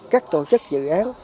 các tổ chức dự án